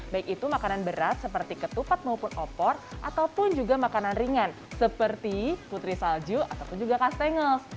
baik itu makanan berat seperti ketupat maupun opor ataupun juga makanan ringan seperti putri salju ataupun juga kastengels